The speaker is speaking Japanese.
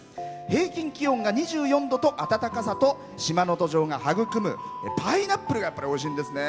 平均気温が２４度という暖かさと島の土壌が育むパイナップルがおいしいんですね。